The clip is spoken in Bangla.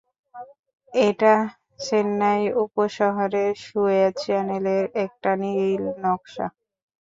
এটা চেন্নাই উপশহরের সুয়েজ চ্যানেলের একটা নীলনকশা।